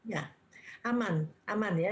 ya aman aman ya